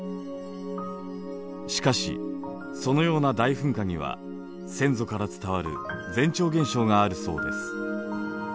しかしそのような大噴火には先祖から伝わる前兆現象があるそうです。